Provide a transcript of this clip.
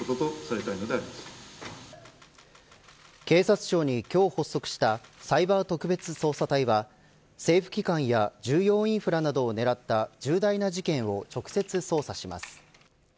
警察庁に今日発足したサイバー特別捜査隊は政府機関や重要インフラなどを狙った重大な事件を直接操作します。